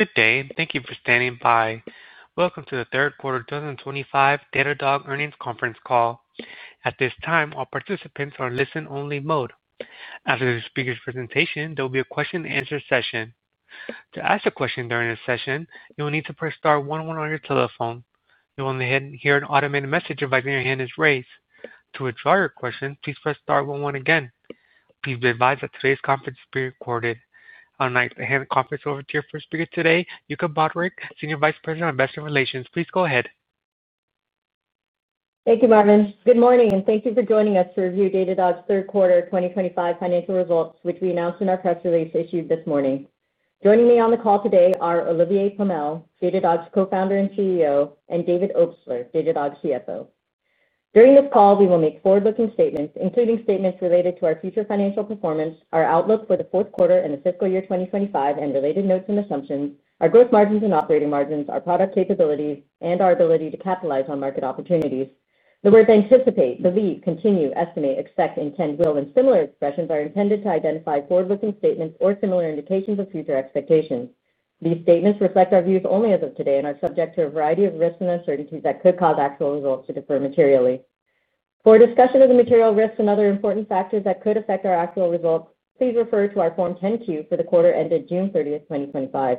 Good day, and thank you for standing by. Welcome to the third quarter 2025 Datadog earnings conference call. At this time, all participants are in listen-only mode. After the speaker's presentation, there will be a question-and-answer session. To ask a question during this session, you will need to press star one one on your telephone. You will then hear an automated message inviting you that your hand is raised. To withdraw your question, please press star one one again. Please be advised that today's conference is being recorded. I would like to hand the conference over to your first speaker today, Yuka Broderick, Senior Vice President of Investor Relations. Please go ahead. Thank you, Marvin. Good morning, and thank you for joining us to review Datadog's third quarter 2025 financial results, which we announced in our press release issued this morning. Joining me on the call today are Olivier Pomel, Datadog's Co-Founder and CEO, and David Obstler, Datadog's CFO. During this call, we will make forward-looking statements, including statements related to our future financial performance, our outlook for the fourth quarter and the fiscal year 2025, and related notes and assumptions, our gross margins and operating margins, our product capabilities, and our ability to capitalize on market opportunities. The words "anticipate," "believe," "continue," "estimate," "expect," "intend," "will," and similar expressions are intended to identify forward-looking statements or similar indications of future expectations. These statements reflect our views only as of today and are subject to a variety of risks and uncertainties that could cause actual results to differ materially. For discussion of the material risks and other important factors that could affect our actual results, please refer to our Form 10-Q for the quarter ended June 30, 2025.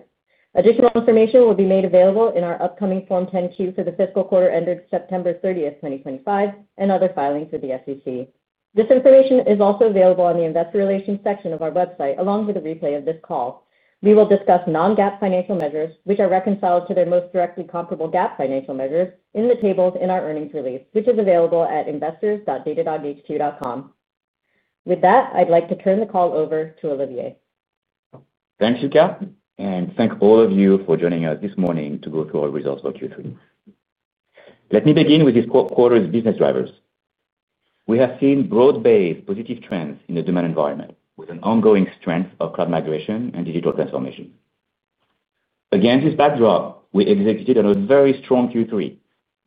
Additional information will be made available in our upcoming Form 10-Q for the fiscal quarter ended September 30, 2025, and other filings with the SEC. This information is also available on the Investor Relations section of our website, along with a replay of this call. We will discuss non-GAAP financial measures, which are reconciled to their most directly comparable GAAP financial measures, in the tables in our earnings release, which is available at investors.datadoghq.com. With that, I'd like to turn the call over to Olivier. Thanks, Yuka. Thank all of you for joining us this morning to go through our results for Q3. Let me begin with this quarter's business drivers. We have seen broad-based positive trends in the demand environment, with an ongoing strength of cloud migration and digital transformation. Against this backdrop, we executed on a very strong Q3,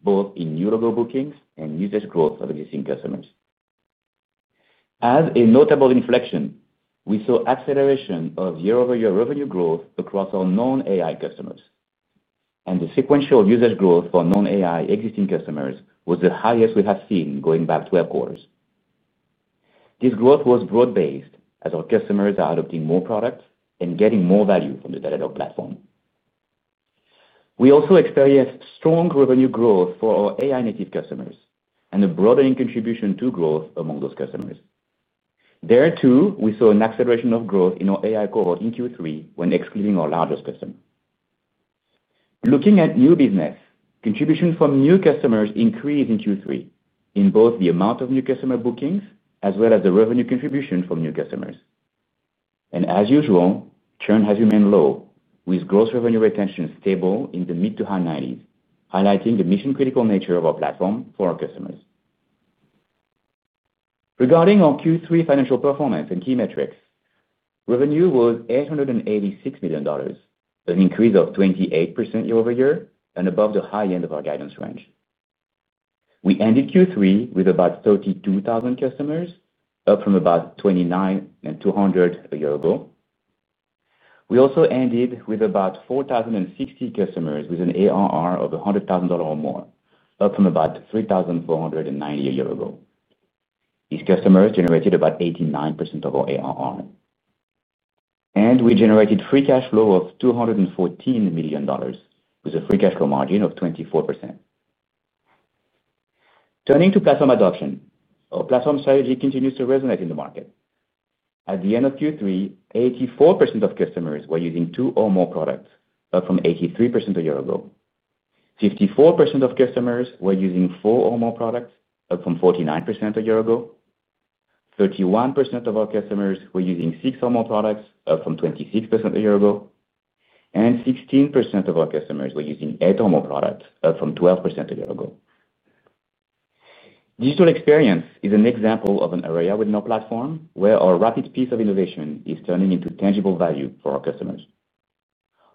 both in new logo bookings and usage growth of existing customers. As a notable inflection, we saw acceleration of year-over-year revenue growth across our non-AI customers. The sequential usage growth for non-AI existing customers was the highest we have seen going back 12 quarters. This growth was broad-based as our customers are adopting more products and getting more value from the Datadog platform. We also experienced strong revenue growth for our AI-native customers and a broadening contribution to growth among those customers. There, too, we saw an acceleration of growth in our AI cohort in Q3 when excluding our largest customer. Looking at new business, contribution from new customers increased in Q3, in both the amount of new customer bookings as well as the revenue contribution from new customers. As usual, churn has remained low, with gross revenue retention stable in the mid to high 90s, highlighting the mission-critical nature of our platform for our customers. Regarding our Q3 financial performance and key metrics, revenue was $886 million, an increase of 28% year-over-year, and above the high end of our guidance range. We ended Q3 with about 32,000 customers, up from about 29,200 a year ago. We also ended with about 4,060 customers with an ARR of $100,000 or more, up from about 3,490 a year ago. These customers generated about 89% of our ARR. We generated free cash flow of $214 million, with a free cash flow margin of 24%. Turning to platform adoption, our platform strategy continues to resonate in the market. At the end of Q3, 84% of customers were using two or more products, up from 83% a year ago. 54% of customers were using four or more products, up from 49% a year ago. 31% of our customers were using six or more products, up from 26% a year ago. 16% of our customers were using eight or more products, up from 12% a year ago. Digital experience is an example of an area with no platform where our rapid pace of innovation is turning into tangible value for our customers.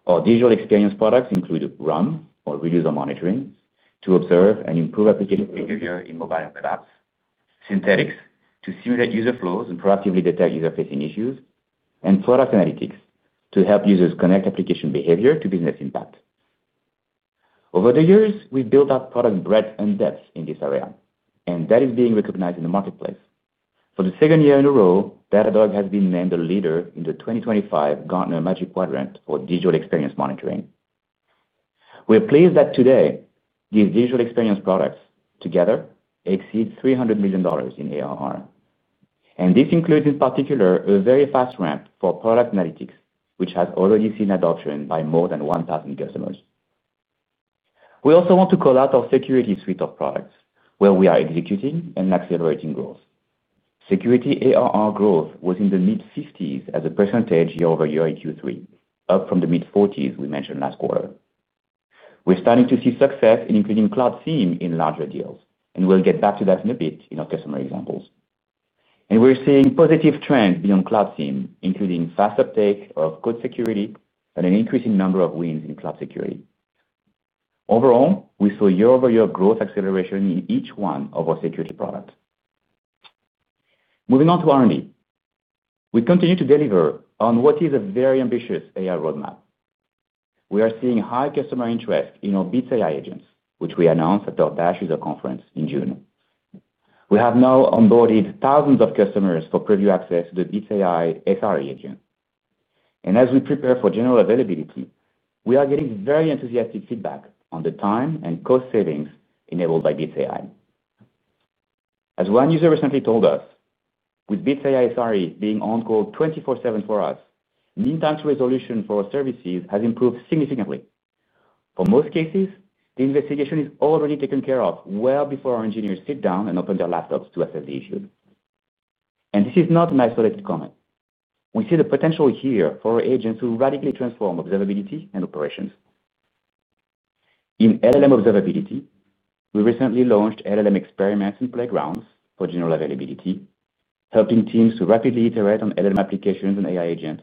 Our digital experience products include RUM, or real user monitoring, to observe and improve application behavior in mobile and web apps, synthetics, to simulate user flows and proactively detect user-facing issues, and product analytics, to help users connect application behavior to business impact. Over the years, we've built up product breadth and depth in this area, and that is being recognized in the marketplace. For the second year in a row, Datadog has been named a leader in the 2025 Gartner Magic Quadrant for Digital Experience Monitoring. We're pleased that today, these digital experience products together exceed $300 million in ARR. This includes, in particular, a very fast ramp for product analytics, which has already seen adoption by more than 1,000 customers. We also want to call out our Security Suite of products, where we are executing and accelerating growth. Security ARR growth was in the mid-50% as a percentage year-over-year in Q3, up from the mid-40% we mentioned last quarter. We're starting to see success in including Cloud SIEM in larger deals, and we'll get back to that in a bit in our customer examples. We're seeing positive trends beyond Cloud SIEM, including fast uptake of code security and an increasing number of wins in cloud security. Overall, we saw year-over-year growth acceleration in each one of our security products. Moving on to R&D, we continue to deliver on what is a very ambitious AI roadmap. We are seeing high customer interest in our Bits AI agents, which we announced at our DASH user conference in June. We have now onboarded thousands of customers for preview access to the Bits AI SRE agent. As we prepare for general availability, we are getting very enthusiastic feedback on the time and cost savings enabled by Bits AI. As one user recently told us, with Bits AI SRE being on-call 24/7 for us, meantime resolution for our services has improved significantly. For most cases, the investigation is already taken care of well before our engineers sit down and open their laptops to assess the issue. This is not an isolated comment. We see the potential here for our agents to radically transform observability and operations. In LLM Observability, we recently launched LLM experiments and playgrounds for general availability, helping teams to rapidly iterate on LLM applications and AI agents.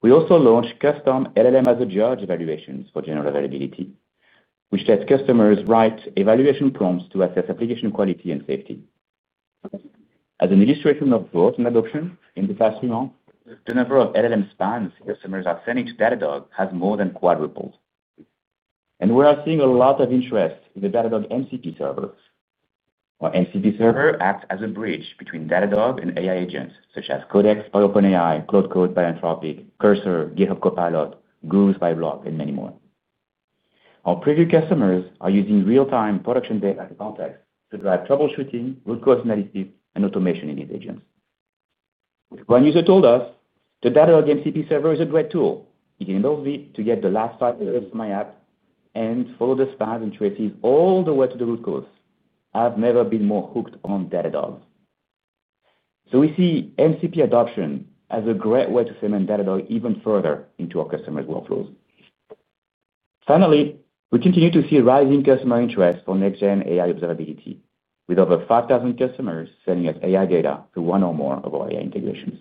We also launched custom LLM as a judge evaluations for general availability, which lets customers write evaluation prompts to assess application quality and safety. As an illustration of growth and adoption in the past three months, the number of LLM spans customers are sending to Datadog has more than quadrupled. We are seeing a lot of interest in the Datadog MCP server. Our MCP server acts as a bridge between Datadog and AI agents, such as Codex, PowerPoint AI, Cloud Code, Anthropic, Cursor, GitHub Copilot, Groove, BuyBlock, and many more. Our preview customers are using real-time production data context to drive troubleshooting, root cause analysis, and automation in these agents. One user told us, "The Datadog MCP server is a great tool. It enables me to get the last five errors of my app and follow the spans and traces all the way to the root cause. I've never been more hooked on Datadog." We see MCP adoption as a great way to cement Datadog even further into our customers' workflows. Finally, we continue to see rising customer interest for next-gen AI observability, with over 5,000 customers sending us AI data through one or more of our AI integrations.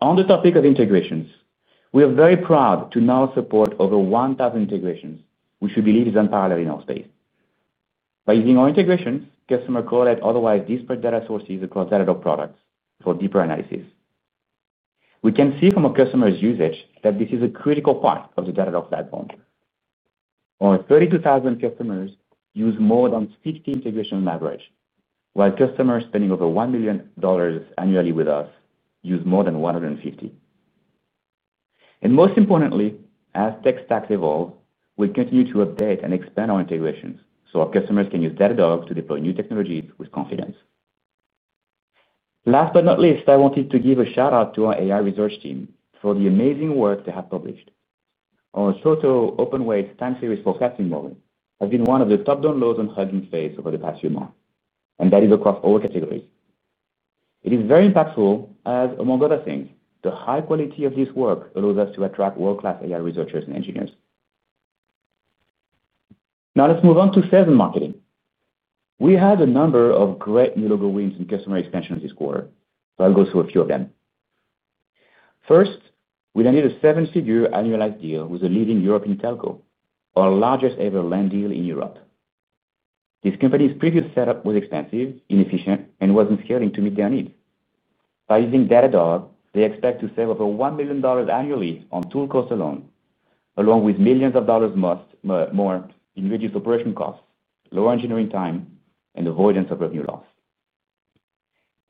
On the topic of integrations, we are very proud to now support over 1,000 integrations, which we believe is unparalleled in our space. By using our integrations, customers correlate otherwise disparate data sources across Datadog products for deeper analysis. We can see from our customers' usage that this is a critical part of the Datadog platform. Our 32,000 customers use more than 50 integrations on average, while customers spending over $1 million annually with us use more than 150. Most importantly, as tech stacks evolve, we continue to update and expand our integrations so our customers can use Datadog to deploy new technologies with confidence. Last but not least, I wanted to give a shout-out to our AI research team for the amazing work they have published. Our Toto open-weights time series for testing model has been one of the top downloads on Hugging Face over the past few months, and that is across all categories. It is very impactful as, among other things, the high quality of this work allows us to attract world-class AI researchers and engineers. Now let's move on to sales and marketing. We had a number of great new logo wins and customer extensions this quarter, so I'll go through a few of them. First, we landed a seven-figure annualized deal with a leading European telco, our largest-ever land deal in Europe. This company's previous setup was expensive, inefficient, and wasn't scOling to meet their needs. By using Datadog, they expect to save over $1 million annually on tool costs alone, along with millions of dollars more in reduced operation costs, lower engineering time, and avoidance of revenue loss.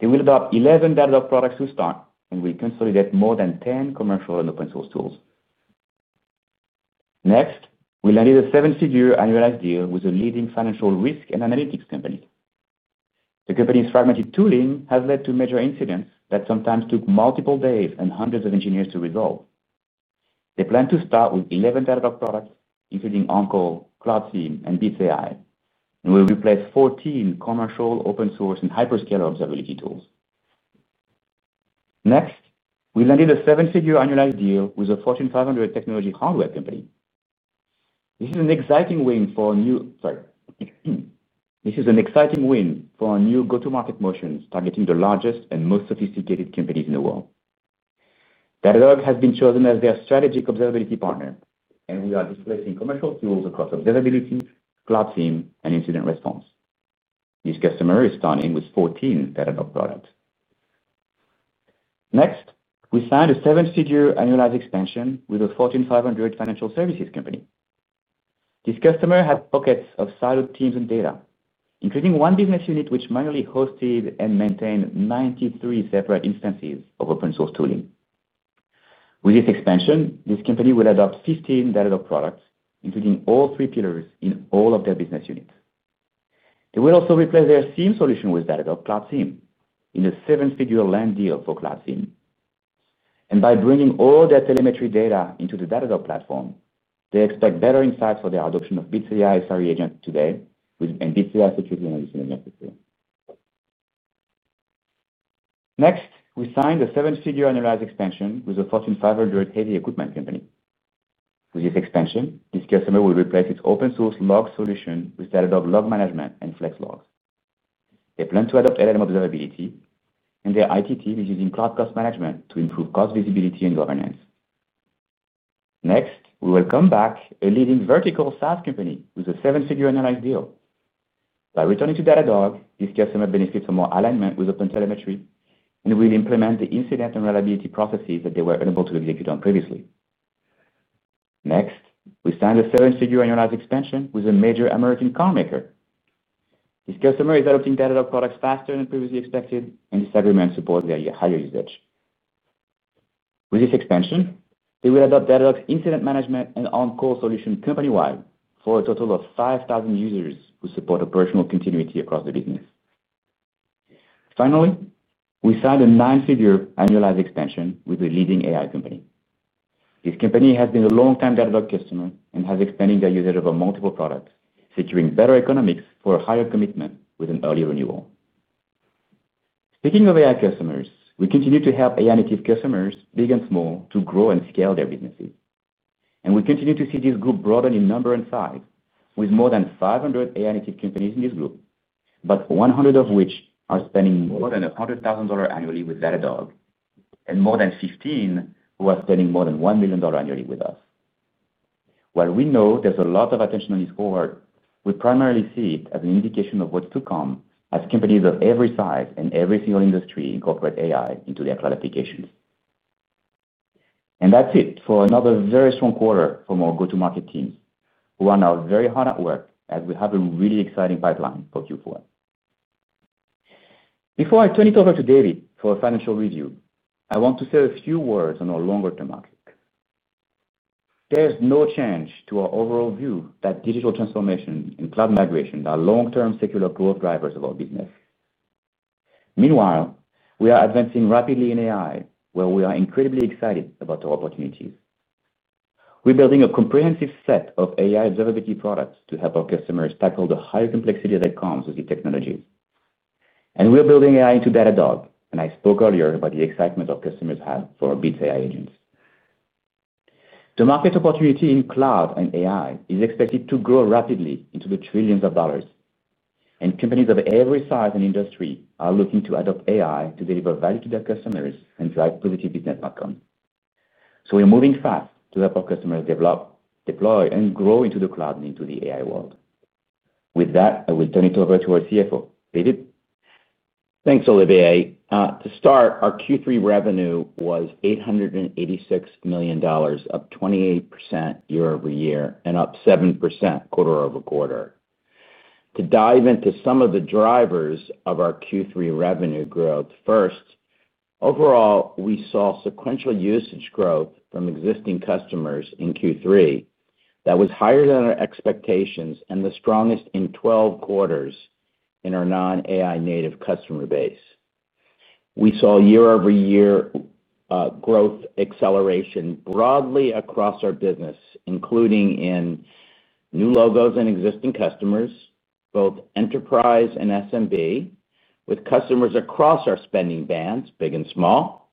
They will adopt 11 Datadog products to start, and will consolidate more than 10 commercial and open-source tools. Next, we landed a seven-figure annualized deal with a leading financial risk and analytics company. The company's fragmented tooling has led to major incidents that sometimes took multiple days and hundreds of engineers to resolve. They plan to start with 11 Datadog products, including On-Call, Cloud SIEM, and Bits AI, and will replace 14 commercial, open-source, and hyperscaler observability tools. Next, we landed a seven-figure annualized deal with a Fortune 500 technology hardware company. This is an exciting win for our new—sorry. This is an exciting win for our new go-to-market motions targeting the largest and most sophisticated companies in the world. Datadog has been chosen as their strategic observability partner, and we are displacing commercial tools across observability, Cloud SIEM, and incident response. This customer is starting with 14 Datadog products. Next, we signed a seven-figure annualized expansion with a Fortune 500 financial services company. This customer had pockets of siloed teams and data, including one business unit which manually hosted and maintained 93 separate instances of open-source tooling. With this expansion, this company will adopt 15 Datadog products, including all three pillars in all of their business units. They will also replace their SIEM solution with Datadog Cloud SIEM in a seven-figure land deal for Cloud SIEM. By bringing all their telemetry data into the Datadog platform, they expect better insights for their adoption of Bits AI SRE agent today and Bits AI security analysis in the next few. Next, we signed a seven-figure annualized expansion with a Fortune 500 heavy equipment company. With this expansion, this customer will replace its open-source log solution with Datadog Log Management and Flex Logs. They plan to adopt LLM Observability, and their IT team is using Cloud Cost Management to improve cost visibility and governance. Next, we will come back, a leading vertical SaaS company, with a seven-figure annualized deal. By returning to Datadog, this customer benefits from more alignment with OpenTelemetry, and will implement the incident and reliability processes that they were unable to execute on previously. Next, we signed a seven-figure annualized expansion with a major American carmaker. This customer is adopting Datadog products faster than previously expected, and this agreement supports their higher usage. With this expansion, they will adopt Datadog's Incident Management and On-Call solution company-wide for a total of 5,000 users who support operational continuity across the business. Finally, we signed a nine-figure annualized expansion with a leading AI company. This company has been a longtime Datadog customer and has expanded their usage of multiple products, securing better economics for a higher commitment with an early renewal. Speaking of AI customers, we continue to help AI-native customers, big and small, to grow and scale their businesses. We continue to see this group broaden in number and size, with more than 500 AI-native companies in this group, about 100 of which are spending more than $100,000 annually with Datadog, and more than 15 who are spending more than $1 million annually with us. While we know there's a lot of attention on this quarter, we primarily see it as an indication of what's to come as companies of every size and every single industry incorporate AI into their cloud applications. That is it for another very strong quarter for more go-to-market teams who are now very hard at work, as we have a really exciting pipeline for Q4. Before I turn it over to David for a financial review, I want to say a few words on our longer-term outlook. There is no change to our overall view that digital transformation and cloud migration are long-term secular growth drivers of our business. Meanwhile, we are advancing rapidly in AI, where we are incredibly excited about our opportunities. We are building a comprehensive set of AI observability products to help our customers tackle the higher complexity that comes with these technologies. We're building AI into Datadog, and I spoke earlier about the excitement our customers have for Bits AI agents. The market opportunity in cloud and AI is expected to grow rapidly into the trillions of dollars, and companies of every size and industry are looking to adopt AI to deliver value to their customers and drive positive business outcomes. We're moving fast to help our customers develop, deploy, and grow into the cloud and into the AI world. With that, I will turn it over to our CFO, David. Thanks, Olivier. To start, our Q3 revenue was $886 million, up 28% year-over-year and up 7% quarter-over-quarter. To dive into some of the drivers of our Q3 revenue growth, first. Overall, we saw sequential usage growth from existing customers in Q3 that was higher than our expectations and the strongest in 12 quarters in our non-AI native customer base. We saw year-over-year growth acceleration broadly across our business, including in new logos and existing customers, both enterprise and SMB, with customers across our spending bands, big and small,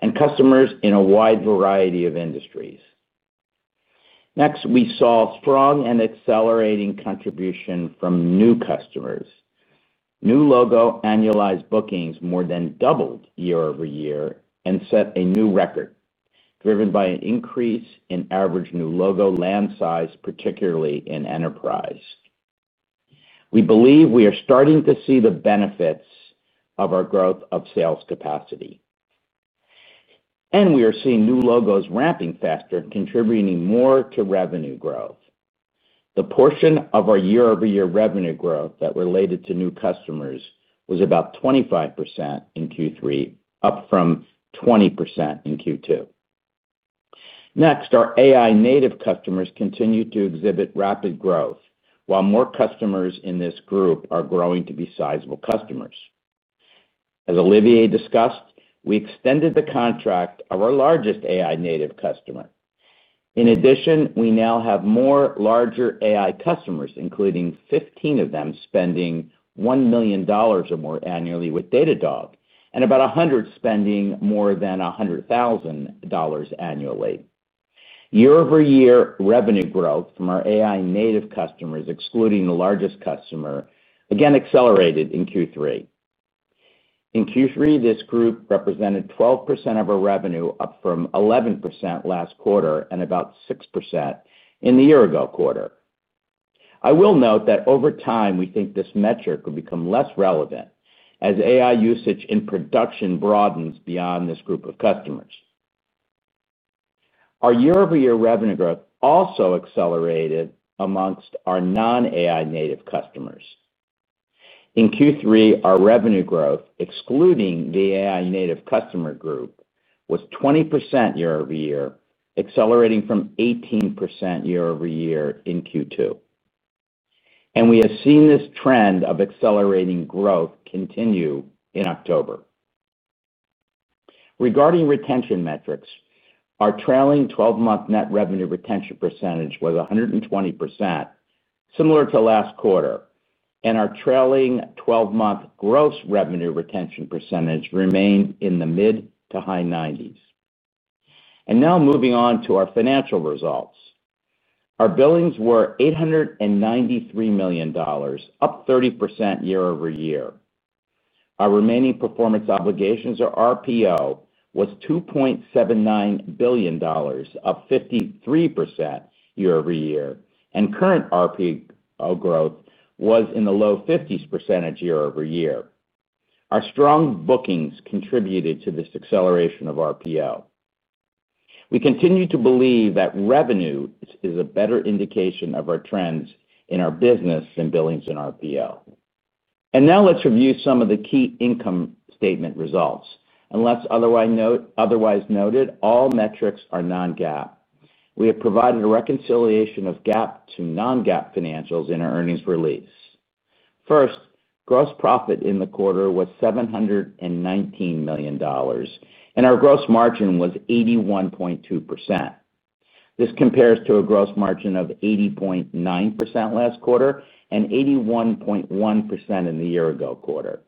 and customers in a wide variety of industries. Next, we saw strong and accelerating contribution from new customers. New logo annualized bookings more than doubled year-over-year and set a new record driven by an increase in average new logo land size, particularly in enterprise. We believe we are starting to see the benefits of our growth of sales capacity. We are seeing new logos ramping faster and contributing more to revenue growth. The portion of our year-over-year revenue growth that related to new customers was about 25% in Q3, up from 20% in Q2. Next, our AI-native customers continue to exhibit rapid growth, while more customers in this group are growing to be sizable customers. As Olivier discussed, we extended the contract of our largest AI-native customer. In addition, we now have more larger AI customers, including 15 of them spending $1 million or more annually with Datadog and about 100 spending more than $100,000 annually. Year-over-year revenue growth from our AI-native customers, excluding the largest customer, again accelerated in Q3. In Q3, this group represented 12% of our revenue, up from 11% last quarter and about 6% in the year-ago quarter. I will note that over time, we think this metric will become less relevant as AI usage in production broadens beyond this group of customers. Our year-over-year revenue growth also accelerated amongst our non-AI-native customers. In Q3, our revenue growth, excluding the AI-native customer group, was 20% year-over-year, accelerating from 18% year-over-year in Q2. We have seen this trend of accelerating growth continue in October. Regarding retention metrics, our trailing 12-month net revenue retention percentage was 120%. Similar to last quarter, our trailing 12-month gross revenue retention percentage remained in the mid to high 90s. Now moving on to our financial results. Our billings were $893 million, up 30% year-over-year. Our remaining performance obligations, or RPO, was $2.79 billion, up 53% year-over-year, and current RPO growth was in the low 50% year-over-year. Our strong bookings contributed to this acceleration of RPO. We continue to believe that revenue is a better indication of our trends in our business than billings and RPO. Now let's review some of the key income statement results. Otherwise, note all metrics are non-GAAP. We have provided a reconciliation of GAAP to non-GAAP financials in our earnings release. First, gross profit in the quarter was $719 million, and our gross margin was 81.2%. This compares to a gross margin of 80.9% last quarter and 81.1% in the year-ago quarter.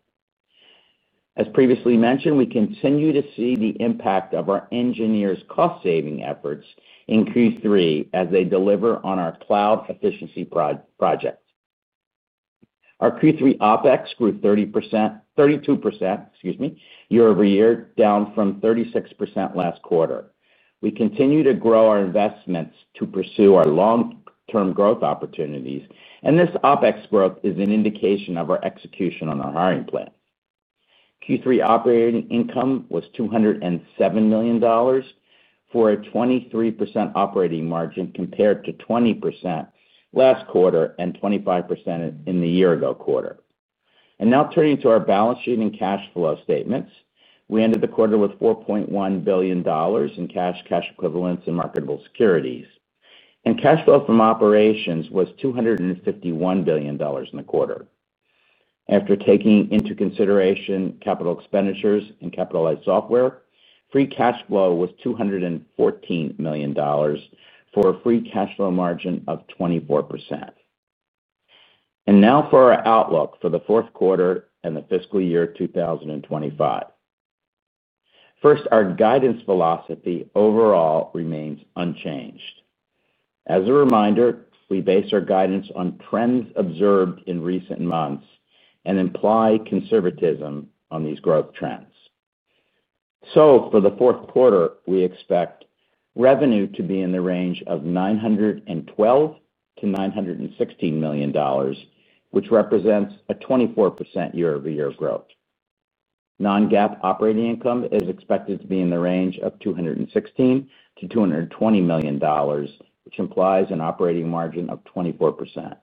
As previously mentioned, we continue to see the impact of our engineers' cost-saving efforts increase Q3 as they deliver on our cloud efficiency projects. Our Q3 OpEx grew 32% year-over-year, down from 36% last quarter. We continue to grow our investments to pursue our long-term growth opportunities, and this OpEx growth is an indication of our execution on our hiring plan. Q3 operating income was $207 million, for a 23% operating margin compared to 20% last quarter and 25% in the year-ago quarter. Now turning to our balance sheet and cash flow statements, we ended the quarter with $4.1 billion in cash, cash equivalents, and marketable securities. Cash flow from operations was $251 million in the quarter. After taking into consideration capital expenditures and capitalized software, free cash flow was $214 million. For a free cash flow margin of 24%. Now for our outlook for the fourth quarter and the fiscal year 2025. First, our guidance philosophy overall remains unchanged. As a reminder, we base our guidance on trends observed in recent months and imply conservatism on these growth trends. For the fourth quarter, we expect revenue to be in the range of $912 million-$916 million, which represents a 24% year-over-year growth. Non-GAAP operating income is expected to be in the range of $216 million-$220 million, which implies an operating margin of 24%.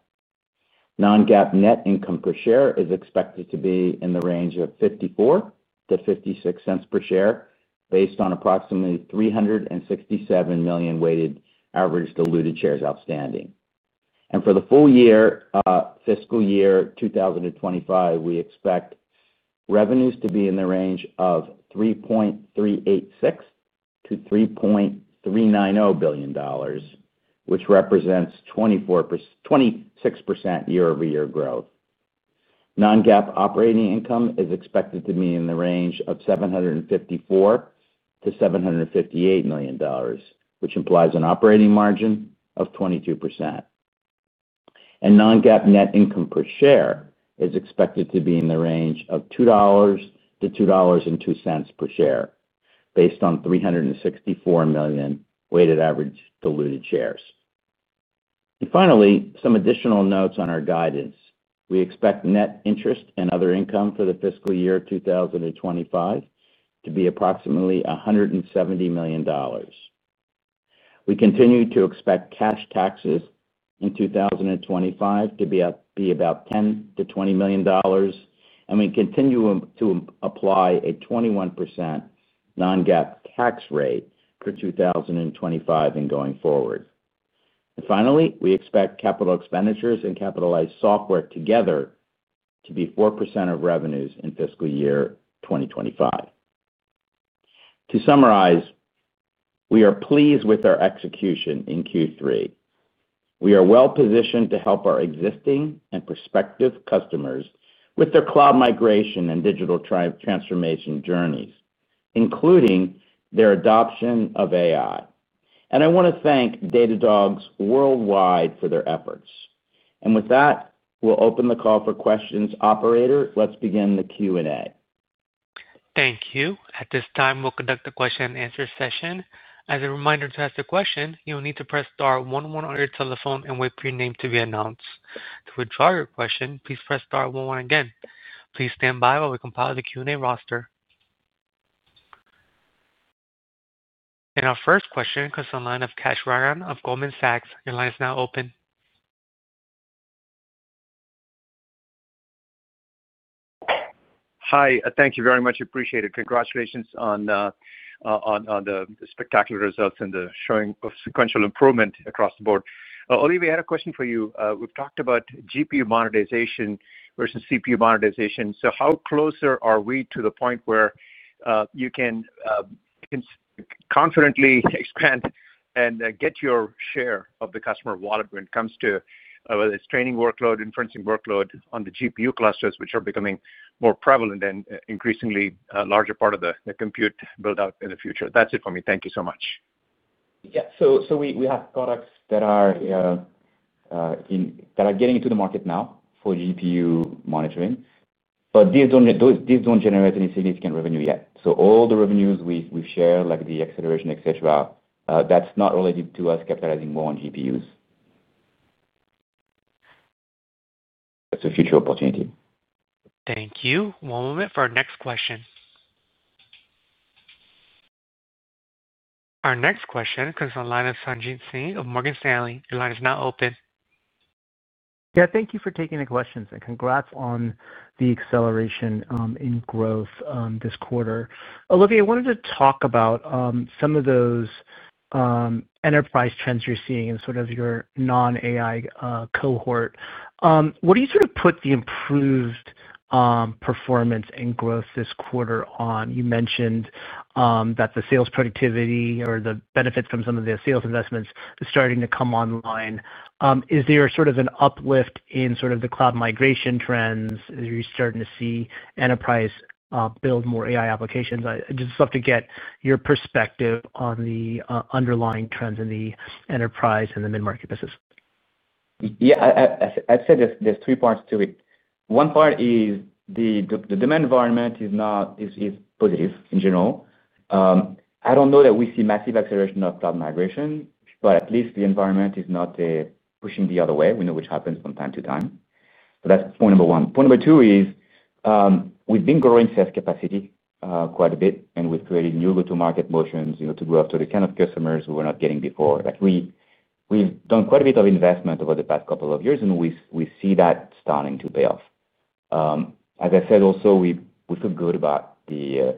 Non-GAAP net income per share is expected to be in the range of $0.54-$0.56 per share, based on approximately 367 million weighted average diluted shares outstanding. For the full year, fiscal year 2025, we expect. Revenues to be in the range of $3.386 billion-$3.390 billion. This represents 26% year-over-year growth. Non-GAAP operating income is expected to be in the range of $754 million-$758 million, which implies an operating margin of 22%. Non-GAAP net income per share is expected to be in the range of $2-$2.02 per share, based on 364 million weighted average diluted shares. Finally, some additional notes on our guidance. We expect net interest and other income for the fiscal year 2025 to be approximately $170 million. We continue to expect cash taxes in 2025 to be about $10 million-$20 million, and we continue to apply a 21% non-GAAP tax rate for 2025 and going forward. Finally, we expect capital expenditures and capitalized software together to be 4% of revenues in fiscal year 2025. To summarize, we are pleased with our execution in Q3. We are well-positioned to help our existing and prospective customers with their cloud migration and digital transformation journeys, including their adoption of AI. I want to thank Datadog's worldwide for their efforts. With that, we'll open the call for questions. Operator, let's begin the Q&A. Thank you. At this time, we'll conduct a question-and-answer session. As a reminder, to ask a question, you'll need to press star one one on your telephone and wait for your name to be announced. To withdraw your question, please press star one one again. Please stand by while we compile the Q&A roster. Our first question comes from the line of Kash Rangan of Goldman Sachs. Your line is now open. Hi. Thank you very much. Appreciate it. Congratulations on the spectacular results and the showing of sequential improvement across the board. Olivier, I had a question for you. We've talked about GPU monetization versus CPU monetization. How closer are we to the point where you can confidently expand and get your share of the customer wallet when it comes to whether it's training workload, inferencing workload on the GPU clusters, which are becoming more prevalent and increasingly a larger part of the compute build-out in the future? That's it for me. Thank you so much. Yeah. We have products that are getting into the market now for GPU monitoring, but these don't generate any significant revenue yet. All the revenues we've shared, like the acceleration, etc., that's not related to us capitalizing more on GPUs. It's a future opportunity. Thank you. One moment for our next question. Our next question comes from the line of Sanjin Singh of Morgan Stanley. Your line is now open. Yeah. Thank you for taking the questions, and congrats on the acceleration in growth this quarter. Olivier, I wanted to talk about some of those enterprise trends you're seeing in sort of your non-AI cohort. What do you sort of put the improved performance and growth this quarter on? You mentioned that the sales productivity or the benefits from some of the sales investments are starting to come online. Is there sort of an uplift in sort of the cloud migration trends? Are you starting to see enterprise build more AI applications? I just love to get your perspective on the underlying trends in the enterprise and the mid-market business. Yeah. I'd say there's three parts to it. One part is the demand environment is positive in general. I don't know that we see massive acceleration of cloud migration, but at least the environment is not pushing the other way. We know which happens from time to time. That's point number one. Point number two is, we've been growing sales capacity quite a bit, and we've created new go-to-market motions to grow up to the kind of customers we were not getting before. We've done quite a bit of investment over the past couple of years, and we see that starting to pay off. As I said, also, we feel good about the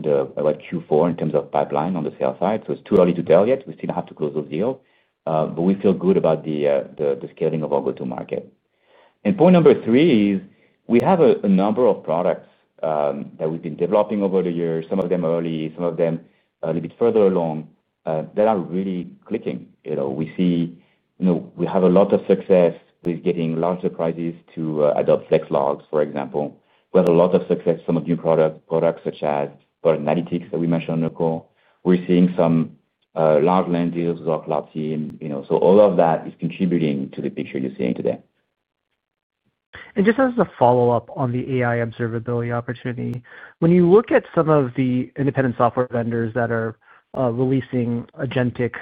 Q4 in terms of pipeline on the sales side. It's too early to tell yet. We still have to close those deals, but we feel good about the scaling of our go-to-market. Point number three is, we have a number of products that we've been developing over the years, some of them early, some of them a little bit further along, that are really clicking. We see. We have a lot of success with getting larger prices to adopt Flex Logs, for example. We have a lot of success with some of new products such as Product Analytics that we mentioned on the call. We're seeing some large land deals with our cloud team. All of that is contributing to the picture you're seeing today. Just as a follow-up on the AI observability opportunity, when you look at some of the independent software vendors that are releasing agentic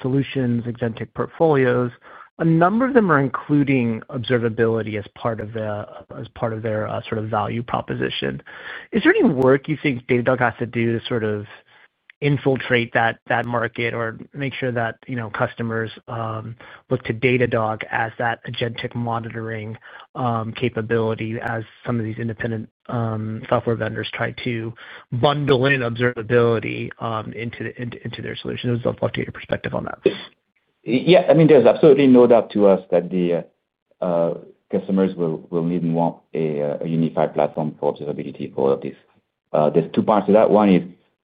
solutions, agentic portfolios, a number of them are including observability as part of their sort of value proposition. Is there any work you think Datadog has to do to sort of infiltrate that market or make sure that customers look to Datadog as that agentic monitoring capability as some of these independent software vendors try to bundle in observability into their solutions? I would love to hear your perspective on that. Yeah. I mean, there's absolutely no doubt to us that the customers will need and want a unified platform for observability for this. There's two parts to that. One is,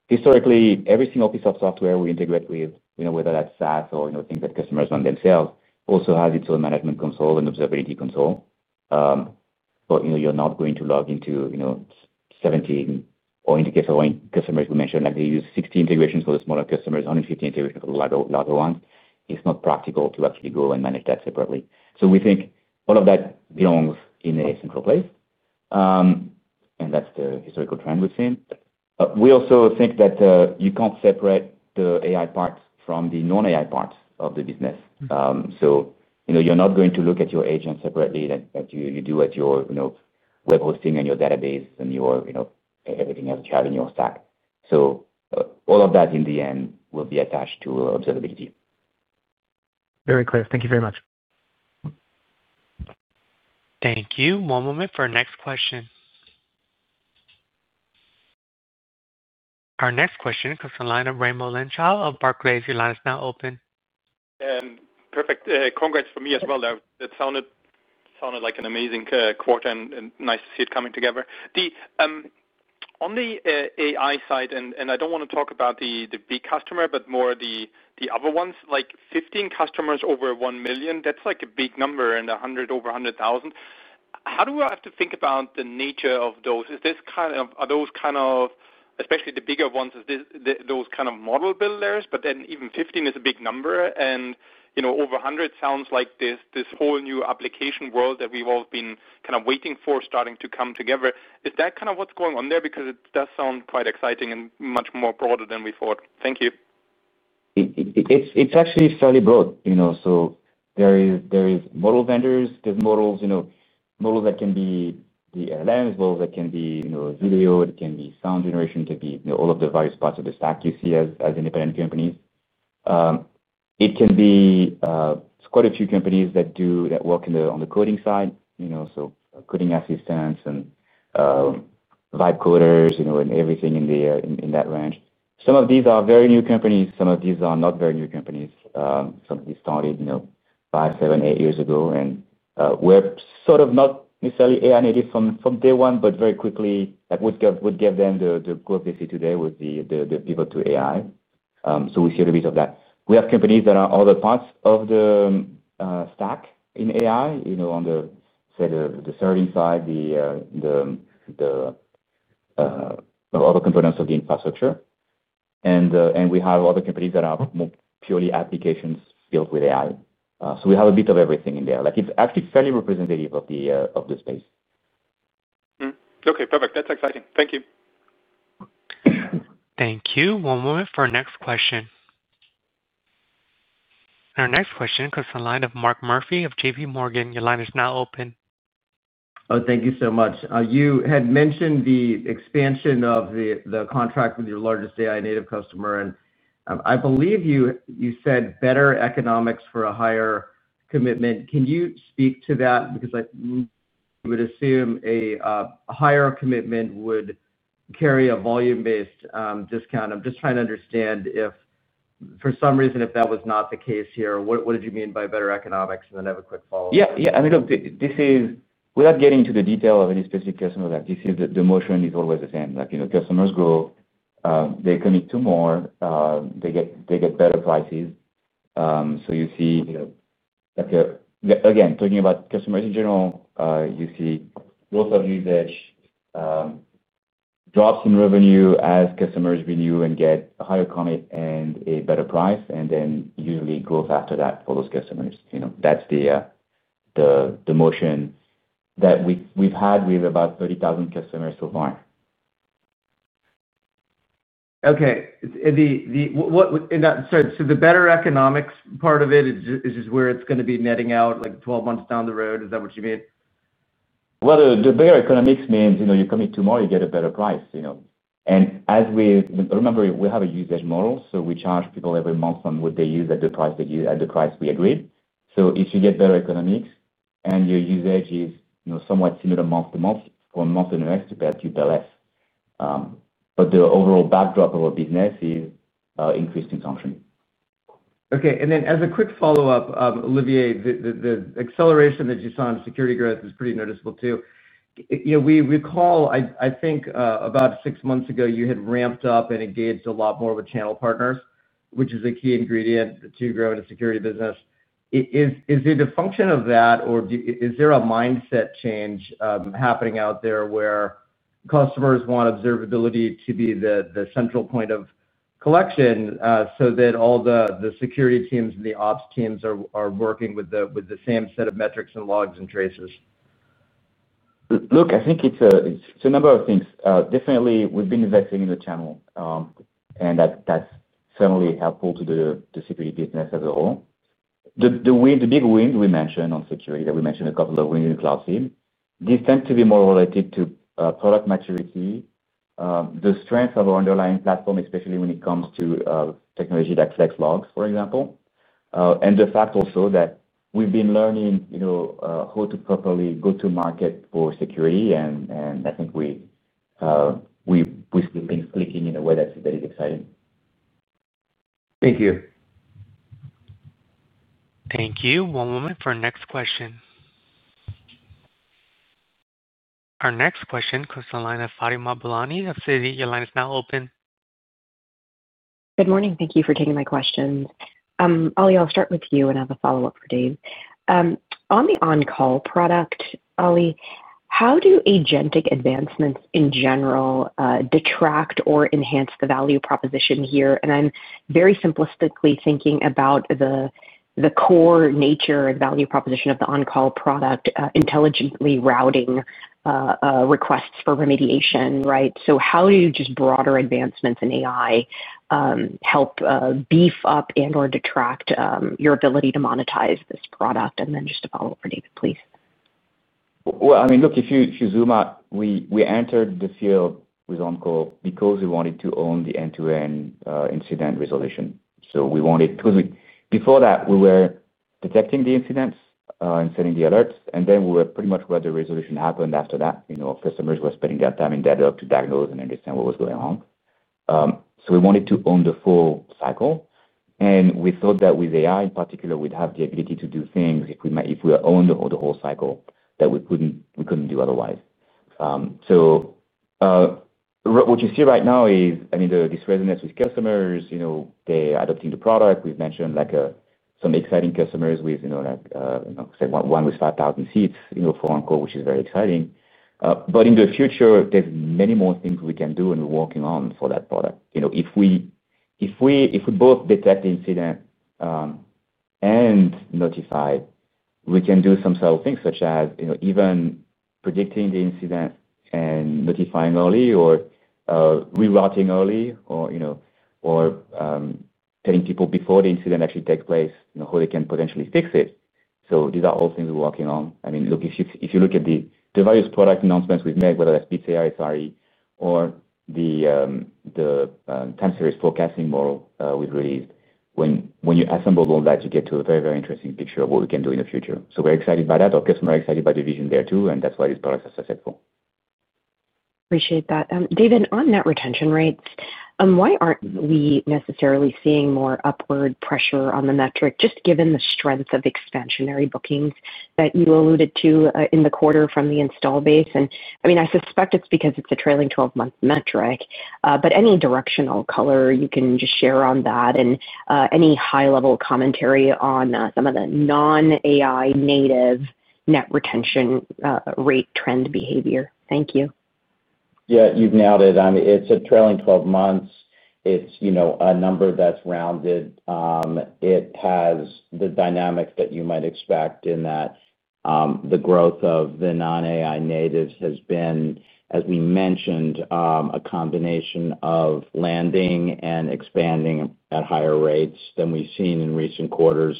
historically, every single piece of software we integrate with, whether that's SaaS or things that customers run themselves, also has its own management console and observability console. You're not going to log into 17, or in the case of our customers we mentioned, they use 60 integrations for the smaller customers, 150 integrations for the larger ones. It's not practical to actually go and manage that separately. We think all of that belongs in a central place. That's the historical trend we've seen. We also think that you can't separate the AI parts from the non-AI parts of the business. You're not going to look at your agents separately like you do at your web hosting and your database and everything else that you have in your stack. All of that, in the end, will be attached to observability. Very clear. Thank you very much. Thank you. One moment for our next question. Our next question comes from the line of Raimo Lenschow of Barclays. Your line is now open. Perfect. Congrats from me as well. That sounded like an amazing quarter and nice to see it coming together. On the AI side, and I don't want to talk about the big customer, but more the other ones, like 15 customers over $1 million, that's like a big number, and over $100,000. How do we have to think about the nature of those? Are those kind of, especially the bigger ones, those kind of model builders? Then even 15 is a big number, and over 100 sounds like this whole new application world that we've all been kind of waiting for starting to come together. Is that kind of what's going on there? Because it does sound quite exciting and much more broad than we thought. Thank you. It's actually fairly broad. There are model vendors. There are models. Models that can be LLMs, models that can be video, it can be sound generation, it can be all of the various parts of the stack you see as independent companies. It can be quite a few companies that work on the coding side, so coding assistants and vibe coders and everything in that range. Some of these are very new companies. Some of these are not very new companies. Some of these started five, seven, eight years ago, and were sort of not necessarily AI native from day one, but very quickly would give them the growth they see today with the pivot to AI. We see the reason of that. We have companies that are other parts of the stack in AI, on the, say, the serving side, the other components of the infrastructure. We have other companies that are purely applications filled with AI. We have a bit of everything in there. It's actually fairly representative of the space. Okay. Perfect. That's exciting. Thank you. Thank you. One moment for our next question. Our next question comes from the line of Mark Murphy of JPMorgan. Your line is now open. Oh, thank you so much. You had mentioned the expansion of the contract with your largest AI native customer, and I believe you said better economics for a higher commitment. Can you speak to that? Because I would assume a higher commitment would carry a volume-based discount. I'm just trying to understand. For some reason, if that was not the case here, what did you mean by better economics? And then I have a quick follow-up. Yeah. Yeah. I mean, look, without getting into the detail of any specific customer like this, the motion is always the same. Customers grow. They commit to more. They get better prices. You see, again, talking about customers in general, you see growth of usage, drops in revenue as customers renew and get a higher commit and a better price, and then usually growth after that for those customers. That's the. Motion that we've had with about 30,000 customers so far. Okay. The better economics part of it is where it's going to be netting out like 12 months down the road. Is that what you mean? The bigger economics means you commit to more, you get a better price. As we remember, we have a usage model, so we charge people every month on what they use at the price we agreed. If you get better economics and your usage is somewhat similar month to month, from month to next, you pay less. The overall backdrop of our business is increased consumption. Okay. As a quick follow-up, Olivier, the acceleration that you saw in security growth is pretty noticeable too. We recall, I think, about six months ago, you had ramped up and engaged a lot more with channel partners, which is a key ingredient to growing a security business. Is it a function of that, or is there a mindset change happening out there where customers want observability to be the central point of collection so that all the security teams and the ops teams are working with the same set of metrics and logs and traces? Look, I think it's a number of things. Definitely, we've been investing in the channel. That's certainly helpful to the security business as a whole. The big wins we mentioned on security, that we mentioned a couple of wins in the Cloud SIEM, these tend to be more related to product maturity. The strength of our underlying platform, especially when it comes to technology like Flex Logs, for example. The fact also that we've been learning how to properly go-to-market for security. I think we still been clicking in a way that is exciting. Thank you. Thank you. One moment for our next question. Our next question comes from the line of Fatima Boolani of Citi. I'm assuming your line is now open. Good morning. Thank you for taking my questions. Oli, I'll start with you and have a follow-up for Dave. On the on-call product, Oli, how do agentic advancements in general detract or enhance the value proposition here? I'm very simplistically thinking about the core nature and value proposition of the on-call product, intelligently routing requests for remediation. Right? How do just broader advancements in AI help beef up and/or detract your ability to monetize this product? Then just a follow-up for David, please. I mean, look, if you zoom out, we entered the field with On-Call because we wanted to own the end-to-end incident resolution. We wanted—before that, we were detecting the incidents and sending the alerts. Then we were pretty much where the resolution happened after that. Customers were spending that time in data to diagnose and understand what was going on. We wanted to own the full cycle. We thought that with AI, in particular, we'd have the ability to do things if we owned the whole cycle that we couldn't do otherwise. What you see right now is, I mean, this resonates with customers. They're adopting the product. We've mentioned some exciting customers with one with 5,000 seats for On-Call, which is very exciting. In the future, there's many more things we can do and we're working on for that product. If we. Both detect the incident and notify. We can do some subtle things such as even predicting the incident and notifying early, or rerouting early, or telling people before the incident actually takes place how they can potentially fix it. These are all things we're working on. I mean, look, if you look at the various product announcements we've made, whether that's Bits AI, SRE, or the time-series forecasting model we've released, when you assemble all that, you get to a very, very interesting picture of what we can do in the future. We're excited by that. Our customers are excited by the vision there too, and that's why this product is successful. Appreciate that. David, on net retention rates, why aren't we necessarily seeing more upward pressure on the metric, just given the strength of expansionary bookings that you alluded to in the quarter from the install base? I mean, I suspect it's because it's a trailing 12-month metric, but any directional color you can just share on that and any high-level commentary on some of the non-AI native net retention rate trend behavior. Thank you. Yeah, you've nailed it. It's a trailing 12 months. It's a number that's rounded. It has the dynamics that you might expect in that. The growth of the non-AI natives has been, as we mentioned, a combination of landing and expanding at higher rates than we've seen in recent quarters.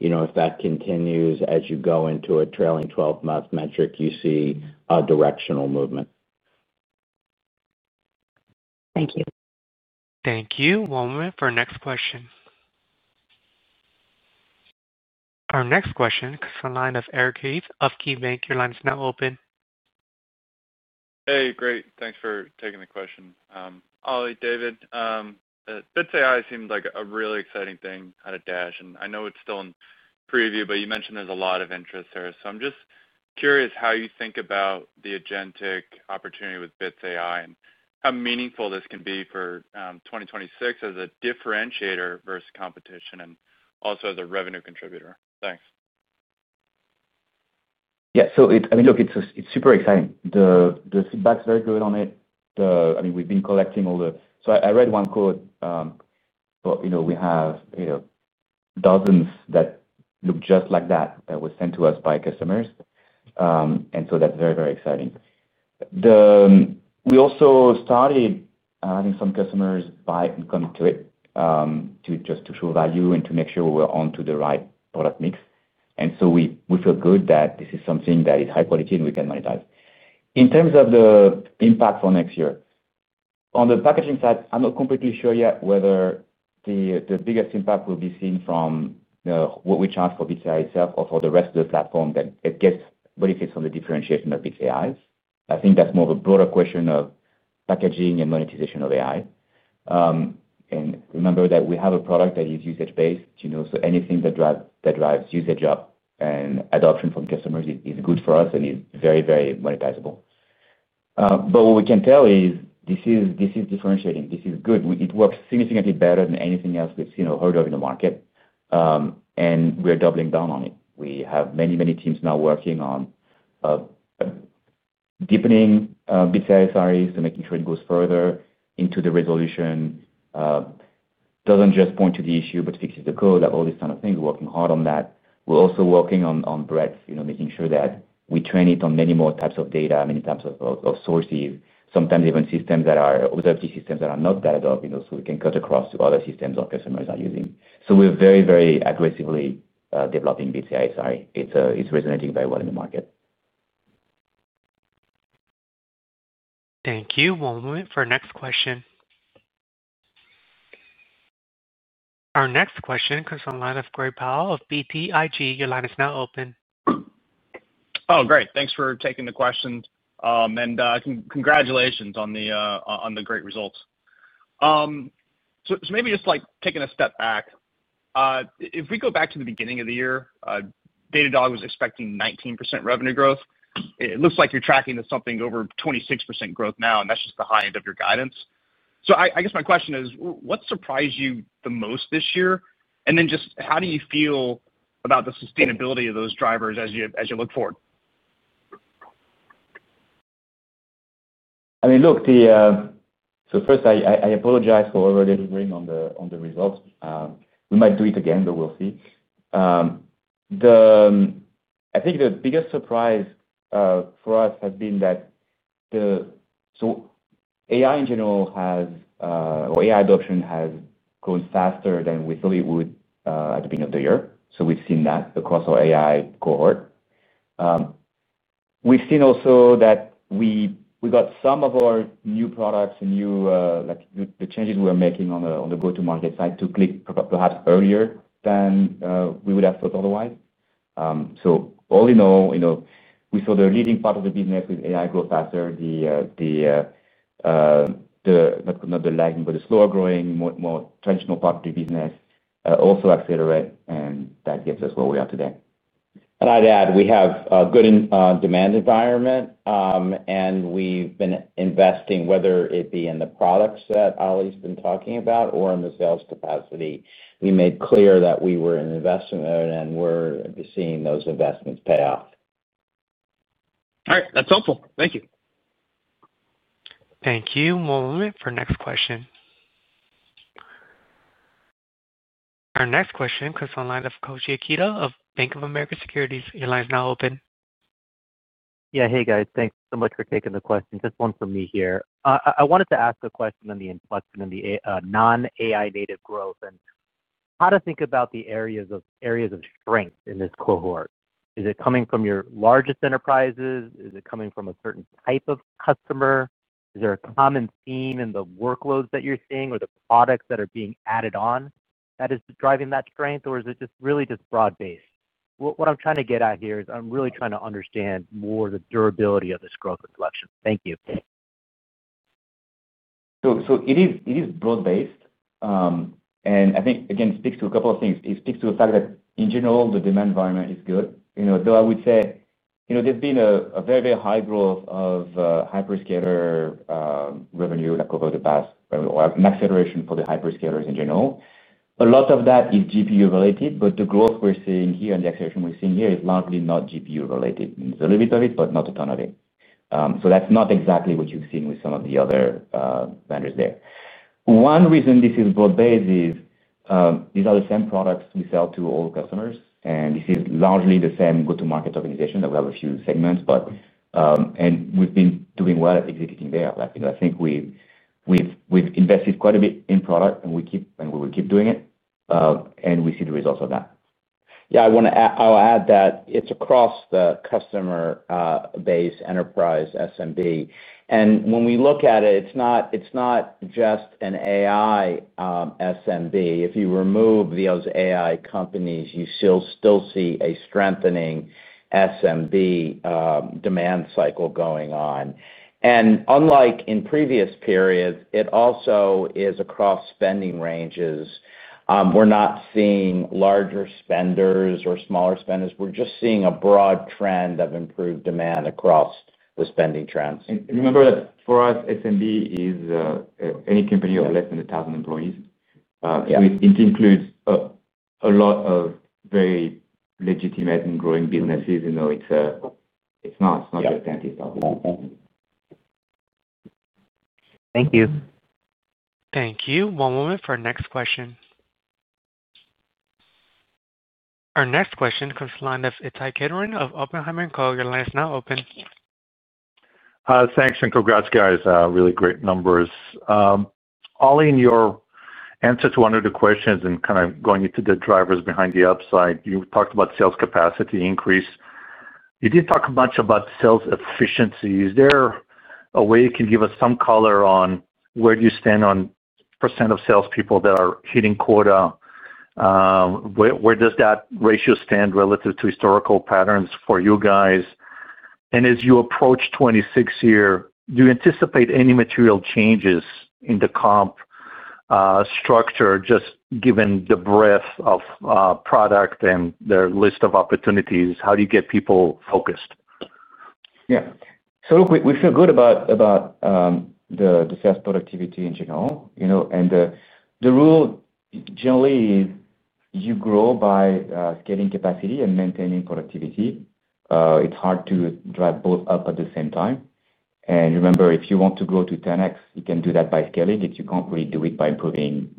If that continues, as you go into a trailing 12-month metric, you see a directional movement. Thank you. Thank you. One moment for our next question. Our next question comes from the line of Eric Keith of KeyBank. Your line is now open. Hey, great. Thanks for taking the question. Oli, David. AI seemed like a really exciting thing out of Dash. I know it's still in preview, but you mentioned there's a lot of interest there. I'm just curious how you think about the agentic opportunity with Bits AI and how meaningful this can be for 2026 as a differentiator versus competition and also as a revenue contributor. Thanks. Yeah. I mean, look, it's super exciting. The feedback's very good on it. We've been collecting all the—so I read one quote. We have dozens that look just like that that were sent to us by customers. That's very, very exciting. We also started having some customers buy and come to it just to show value and to make sure we were onto the right product mix. We feel good that this is something that is high-quality and we can monetize. In terms of the impact for next year, on the packaging side, I'm not completely sure yet whether the biggest impact will be seen from what we charge for Bits AI itself or for the rest of the platform that it gets benefits from the differentiation of Bits AI. I think that's more of a broader question of packaging and monetization of AI. Remember that we have a product that is usage-based. Anything that drives usage up and adoption from customers is good for us and is very, very monetizable. What we can tell is this is differentiating. This is good. It works significantly better than anything else we've heard of in the market. We're doubling down on it. We have many, many teams now working on deepening Bits AI SRE to make sure it goes further into the resolution. Doesn't just point to the issue but fixes the code, all these kind of things. We're working hard on that. We're also working on breadth, making sure that we train it on many more types of data, many types of sources, sometimes even systems that are observed, systems that are not Datadog. We can cut across to other systems our customers are using. We're very, very aggressively developing Bits AI SRE. It's resonating very well in the market. Thank you. One moment for our next question. Our next question comes from the line of Gray Powell of BTIG. Your line is now open. Oh, great. Thanks for taking the question. And congratulations on the great results. Maybe just taking a step back. If we go back to the beginning of the year, Datadog was expecting 19% revenue growth. It looks like you're tracking to something over 26% growth now, and that's just the high end of your guidance. I guess my question is, what surprised you the most this year? How do you feel about the sustainability of those drivers as you look forward? I mean, look. First, I apologize for overdelivering on the results. We might do it again, but we'll see. I think the biggest surprise for us has been that AI in general has, or AI adoption has, grown faster than we thought it would at the beginning of the year. We've seen that across our AI cohort. We've also seen that we got some of our new products and the changes we were making on the go-to-market side to click perhaps earlier than we would have thought otherwise. All in all, we saw the leading part of the business with AI grow faster. The, not the lagging, but the slower growing, more traditional part of the business also accelerate. That gets us where we are today. I'd add, we have a good demand environment. We've been investing, whether it be in the products that Oli's been talking about or in the sales capacity. We made clear that we were an investor and we're seeing those investments pay off. All right. That's helpful. Thank you. Thank you. One moment for our next question. Our next question comes from the line of Koji Ikeda of Bank of America Securities. Your line is now open. Yeah. Hey, guys. Thanks so much for taking the question. Just one from me here. I wanted to ask a question on the inflection in the non-AI native growth and how to think about the areas of strength in this cohort. Is it coming from your largest enterprises? Is it coming from a certain type of customer? Is there a common theme in the workloads that you're seeing or the products that are being added on that is driving that strength, or is it just really just broad-based? What I'm trying to get at here is I'm really trying to understand more the durability of this growth inflection. Thank you. It is broad-based. I think, again, it speaks to a couple of things. It speaks to the fact that, in general, the demand environment is good. Though I would say there's been a very, very high growth of hyperscaler revenue over the past, or an acceleration for the hyperscalers in general. A lot of that is GPU-related, but the growth we're seeing here and the acceleration we're seeing here is largely not GPU-related. There's a little bit of it, but not a ton of it. That's not exactly what you've seen with some of the other vendors there. One reason this is broad-based is these are the same products we sell to all customers. This is largely the same go-to-market organization, though we have a few segments, and we've been doing well at executing there. I think we've invested quite a bit in product, and we will keep doing it, and we see the results of that. Yeah. I'll add that it's across the customer base, enterprise, SMB. When we look at it, it's not just an AI SMB. If you remove those AI companies, you still see a strengthening SMB demand cycle going on. Unlike in previous periods, it also is across spending ranges. We're not seeing larger spenders or smaller spenders. We're just seeing a broad trend of improved demand across the spending trends. Remember that for us, SMB is any company of less than 1,000 employees. It includes a lot of very legitimate and growing businesses. It's not just anti-stop. Thank you. Thank you. One moment for our next question. Our next question comes from the line of Ittai Kidron of Oppenheimer & Co. Your line is now open. Thanks. And congrats, guys. Really great numbers. Oli, in your answer to one of the questions and kind of going into the drivers behind the upside, you talked about sales capacity increase. You didn't talk much about sales efficiency. Is there a way you can give us some color on where do you stand on percent of salespeople that are hitting quota? Where does that ratio stand relative to historical patterns for you guys? As you approach 2026 here, do you anticipate any material changes in the comp structure, just given the breadth of product and their list of opportunities? How do you get people focused? Yeah. Look, we feel good about the sales productivity in general. The rule, generally, is you grow by scaling capacity and maintaining productivity. It's hard to drive both up at the same time. Remember, if you want to grow to 10x, you can do that by scaling. You can't really do it by improving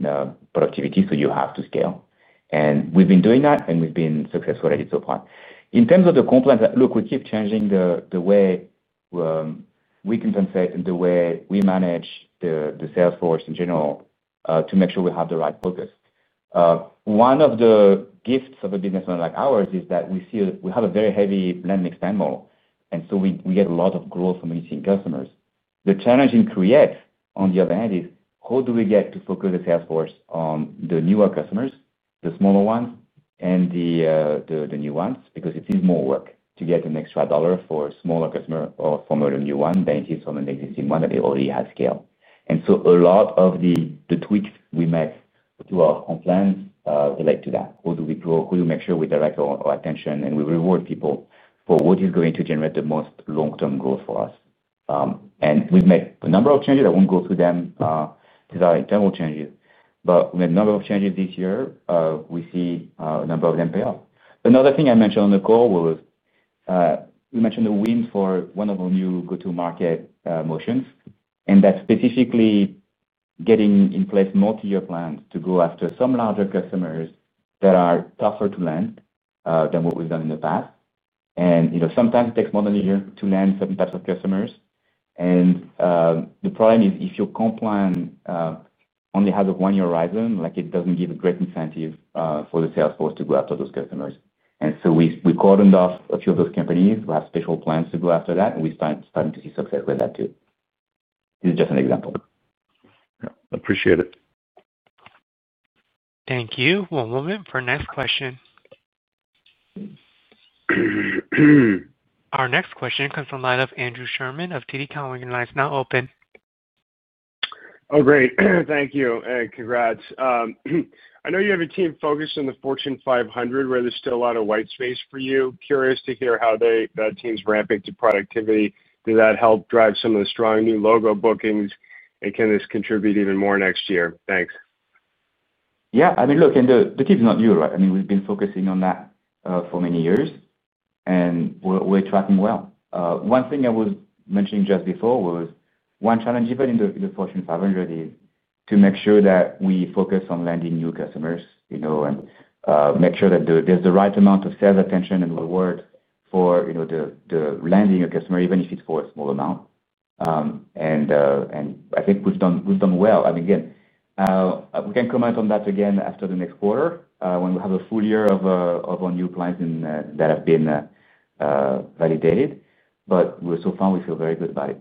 productivity, so you have to scale. We've been doing that, and we've been successful at it so far. In terms of the compliance, look, we keep changing the way. We compensate and the way we manage the salesforce in general to make sure we have the right focus. One of the gifts of a business model like ours is that we have a very heavy blend mix plan model. We get a lot of growth from meeting customers. The challenge in Create, on the other hand, is how do we get to focus the salesforce on the newer customers, the smaller ones, and the new ones? It is more work to get an extra dollar for a smaller customer or for another new one than it is from an existing one that they already have scaled. A lot of the tweaks we make to our compliance relate to that. Who do we grow? Who do we make sure we direct our attention? We reward people for what is going to generate the most long-term growth for us. We have made a number of changes. I will not go through them. These are internal changes. We made a number of changes this year. We see a number of them pay off. Another thing I mentioned on the call was we mentioned the wins for one of our new go-to-market motions. That is specifically getting in place multi-year plans to go after some larger customers that are tougher to land than what we have done in the past. Sometimes it takes more than a year to land certain types of customers. The problem is if your comp plan is on the heads of one-year horizon, it does not give a great incentive for the salesforce to go after those customers. We cordoned off a few of those companies who have special plans to go after that. We started to see success with that too. This is just an example. Appreciate it. Thank you. One moment for our next question. Our next question comes from the line of Andrew Sherman of TD Cowen. Your line is now open. Oh, great. Thank you. Congrats. I know you have a team focused on the Fortune 500, where there is still a lot of white space for you. Curious to hear how that team's ramping to productivity. Did that help drive some of the strong new logo bookings? Can this contribute even more next year? Thanks. Yeah. I mean, look, the key is not new, right? We have been focusing on that for many years. We are tracking well. One thing I was mentioning just before was one challenge even in the Fortune 500 is to make sure that we focus on landing new customers and make sure that there's the right amount of sales attention and reward for the landing a customer, even if it's for a small amount. I think we've done well. I mean, again, we can comment on that again after the next quarter when we have a full year of our new plans that have been validated. So far, we feel very good about it.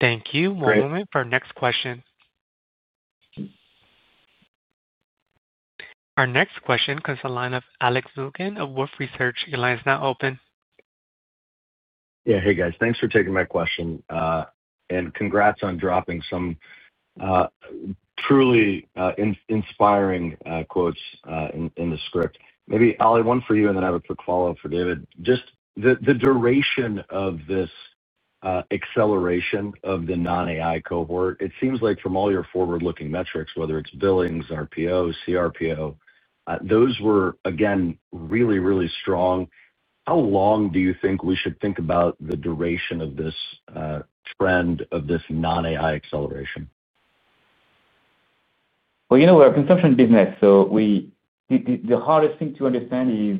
Thank you. One moment for our next question. Our next question comes from the line of Alex Zukin of Wolfe Research. Your line is now open. Yeah. Hey, guys. Thanks for taking my question. And congrats on dropping some truly inspiring quotes in the script. Maybe, Oli, one for you, and then I have a quick follow-up for David. Just the duration of this. Acceleration of the non-AI cohort, it seems like from all your forward-looking metrics, whether it's billings, RPO, CRPO, those were, again, really, really strong. How long do you think we should think about the duration of this. Trend of this non-AI acceleration? You know we're a consumption business. The hardest thing to understand is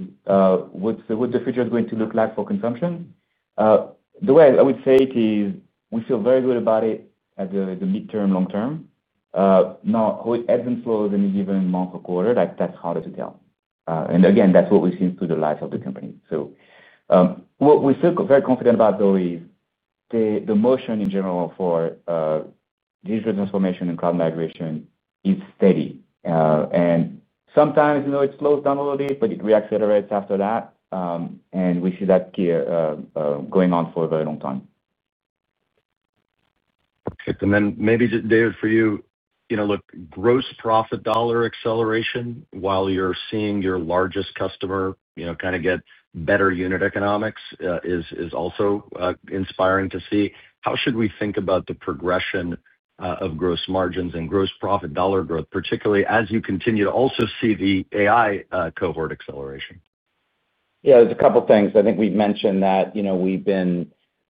what the future is going to look like for consumption. The way I would say it is we feel very good about it at the midterm, long term. Now, how it ebbs and flows in a given month or quarter, that's harder to tell. Again, that's what we've seen through the life of the company. What we feel very confident about, though, is the motion in general for. Digital transformation and cloud migration is steady. Sometimes it slows down a little bit, but it reaccelerates after that. We see that going on for a very long time. Maybe just, David, for you, look, gross profit dollar acceleration while you're seeing your largest customer kind of get better unit economics is also inspiring to see. How should we think about the progression of gross margins and gross profit dollar growth, particularly as you continue to also see the AI cohort acceleration? Yeah. There's a couple of things. I think we've mentioned that we've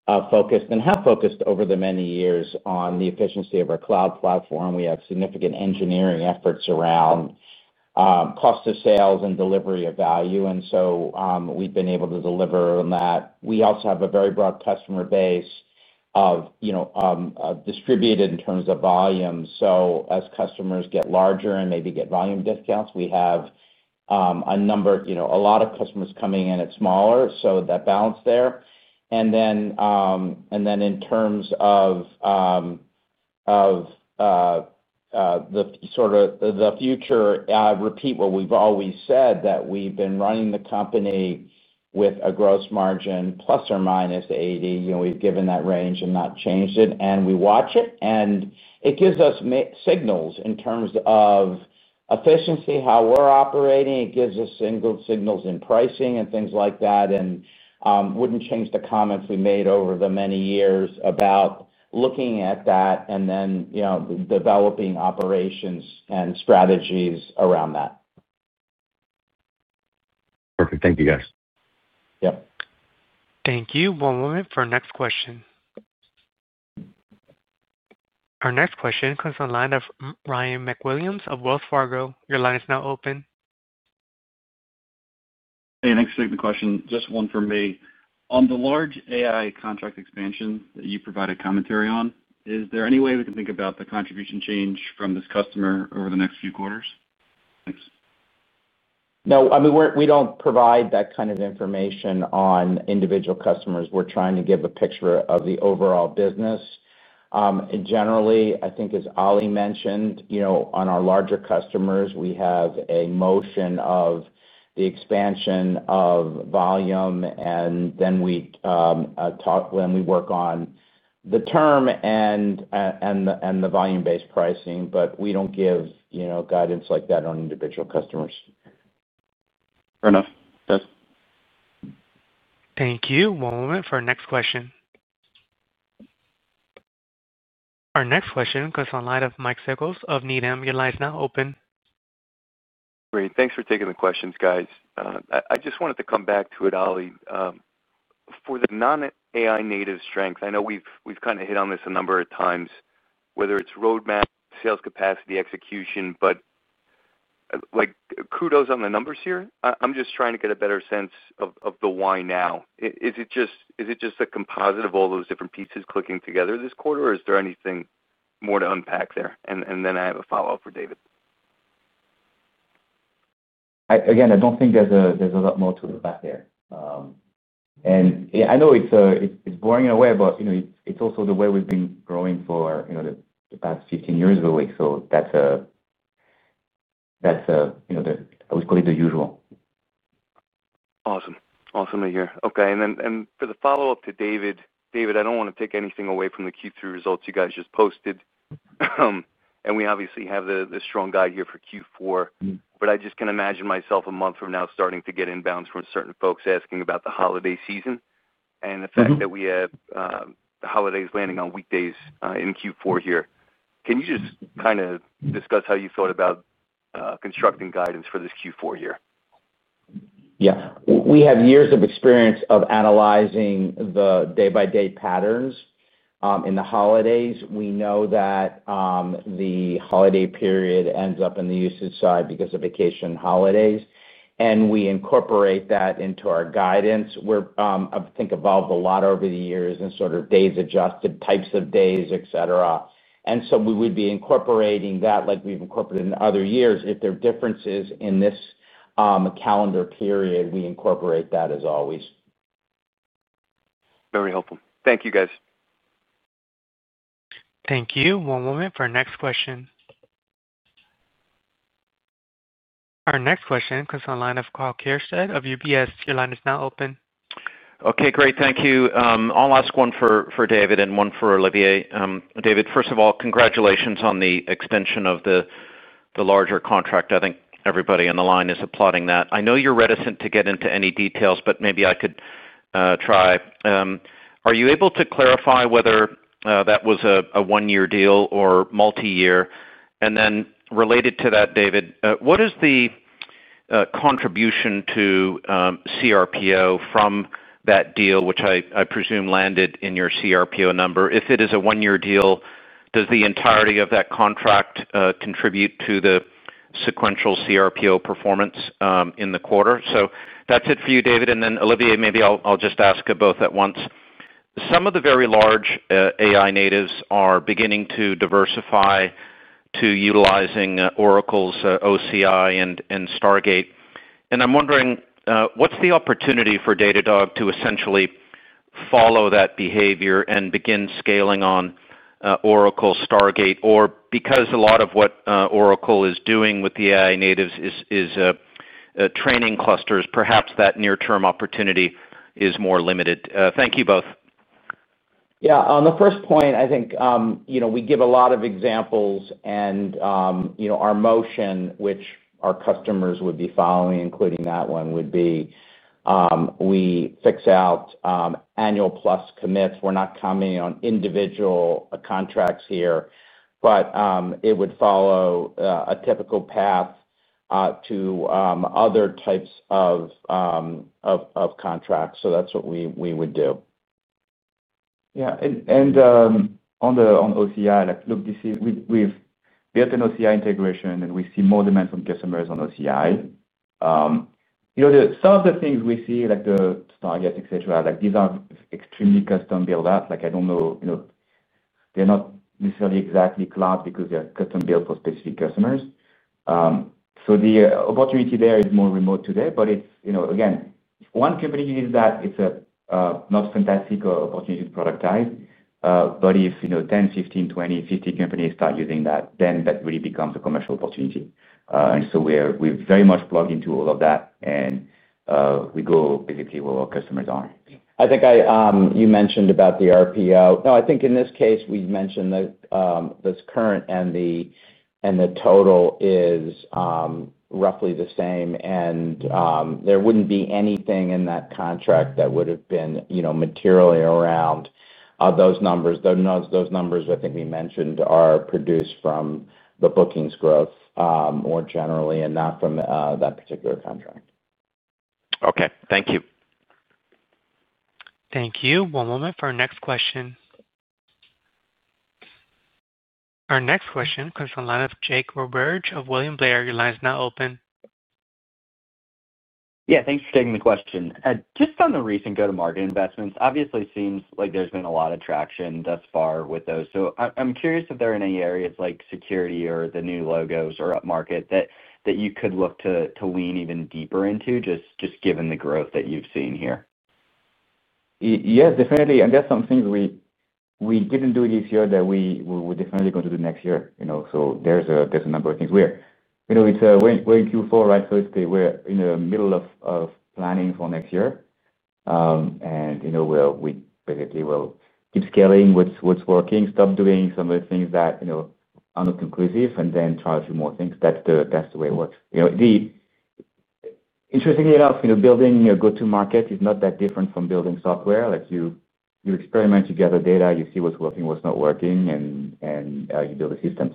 been focused and have focused over the many years on the efficiency of our cloud platform. We have significant engineering efforts around cost of sales and delivery of value. We've been able to deliver on that. We also have a very broad customer base distributed in terms of volume. As customers get larger and maybe get volume discounts, we have a number, a lot of customers coming in at smaller, so that balance there. In terms of the future, I repeat what we've always said, that we've been running the company with a gross margin ±80. We've given that range and not changed it. We watch it, and it gives us signals in terms of efficiency, how we're operating. It gives us signals in pricing and things like that. I wouldn't change the comments we made over the many years about looking at that and then developing operations and strategies around that. Perfect. Thank you, guys. Yep. Thank you. One moment for our next question. Our next question comes from the line of Ryan MacWilliams of Wells Fargo. Your line is now open. Hey, thanks for taking the question. Just one for me. On the large AI contract expansion that you provided commentary on, is there any way we can think about the contribution change from this customer over the next few quarters? Thanks. No. I mean, we do not provide that kind of information on individual customers. We are trying to give a picture of the overall business. Generally, I think, as Oli mentioned, on our larger customers, we have a motion of the expansion of volume. And then we work on the term and the volume-based pricing. But we do not give guidance like that on individual customers. Fair enough. Thanks. Thank you. One moment for our next question. Our next question comes from the line of Mike Cikos of Needham. Your line is now open. Great. Thanks for taking the questions, guys. I just wanted to come back to it, Oli. For the non-AI native strength, I know we've kind of hit on this a number of times, whether it's roadmap, sales capacity, execution, but kudos on the numbers here. I'm just trying to get a better sense of the why now. Is it just a composite of all those different pieces clicking together this quarter, or is there anything more to unpack there? I have a follow-up for David. Again, I don't think there's a lot more to unpack there. I know it's boring in a way, but it's also the way we've been growing for the past 15 years really. That's the, I would call it, the usual. Awesome. Awesome to hear. Okay. For the follow-up to David, David, I don't want to take anything away from the Q3 results you guys just posted. We obviously have the strong guide here for Q4. I just can imagine myself a month from now starting to get inbounds from certain folks asking about the holiday season and the fact that the holiday is landing on weekdays in Q4 here. Can you just kind of discuss how you thought about constructing guidance for this Q4 year? Yeah. We have years of experience of analyzing the day-by-day patterns. In the holidays, we know that the holiday period ends up in the usage side because of vacation holidays. And we incorporate that into our guidance. I think evolved a lot over the years and sort of days adjusted, types of days, etc. We would be incorporating that like we've incorporated in other years. If there are differences in this calendar period, we incorporate that as always. Very helpful. Thank you, guys. Thank you. One moment for our next question. Our next question comes from the line of Karl Kierstad of UBS. Your line is now open. Okay. Great. Thank you. I'll ask one for David and one for Olivier. David, first of all, congratulations on the extension of the larger contract. I think everybody on the line is applauding that. I know you're reticent to get into any details, but maybe I could try. Are you able to clarify whether that was a one-year deal or multi-year? And then related to that, David, what is the contribution to CRPO from that deal, which I presume landed in your CRPO number? If it is a one-year deal, does the entirety of that contract contribute to the sequential CRPO performance in the quarter? That's it for you, David. And then, Olivier, maybe I'll just ask both at once. Some of the very large AI natives are beginning to diversify to utilizing Oracle's OCI and Stargate. I'm wondering, what's the opportunity for Datadog to essentially follow that behavior and begin scaling on Oracle, Stargate, or because a lot of what Oracle is doing with the AI natives is training clusters, perhaps that near-term opportunity is more limited. Thank you both. Yeah. On the first point, I think we give a lot of examples. Our motion, which our customers would be following, including that one, would be we fix out annual-plus commits. We're not commenting on individual contracts here. It would follow a typical path to other types of contracts. That's what we would do. Yeah. On OCI, look, we've built an OCI integration, and we see more demand from customers on OCI. Some of the things we see, like the Stargate, etc., these are extremely custom-built apps. I don't know. They're not necessarily exactly cloud because they're custom-built for specific customers. The opportunity there is more remote today. One company is that it's a not fantastic opportunity to productize. If 10, 15, 20, 50 companies start using that, then that really becomes a commercial opportunity. We are very much plugged into all of that. We go basically where our customers are. I think you mentioned about the RPO. No, I think in this case, we've mentioned that this current and the total is roughly the same. There wouldn't be anything in that contract that would have been materially around those numbers. Those numbers, I think we mentioned, are produced from the bookings growth more generally and not from that particular contract. Thank you. Thank you. One moment for our next question. Our next question comes from the line of Jake Roberge of William Blair. Your line is now open. Yeah. Thanks for taking the question. Just on the recent go-to-market investments, obviously, it seems like there's been a lot of traction thus far with those. I'm curious if there are any areas like security or the new logos or upmarket that you could look to lean even deeper into, just given the growth that you've seen here. Yeah, definitely. That's something we didn't do this year that we were definitely going to do next year. There's a number of things. We're in Q4, right? We're in the middle of planning for next year. Basically, we'll keep scaling what's working, stop doing some of the things that are not conclusive, and then try a few more things. That's the way it works. Interestingly enough, building your go-to-market is not that different from building software. You experiment, you gather data, you see what's working, what's not working, and you build the systems.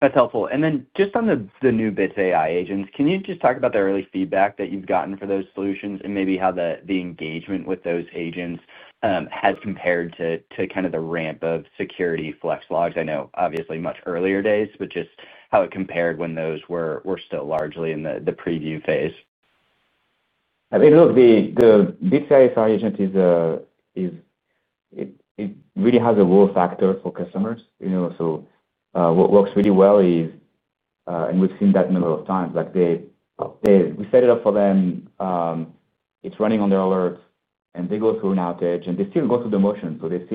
That's helpful. Just on the new bits of AI agents, can you just talk about the early feedback that you've gotten for those solutions and maybe how the engagement with those agents has compared to kind of the ramp of security Flex Logs? I know, obviously, much earlier days, but just how it compared when those were still largely in the preview phase. I mean, Bits AI sre agent really has a role factor for customers. What works really well is, and we've seen that a number of times, we set it up for them, it's running on their alerts, and they go through an outage, and they still go through the motions. They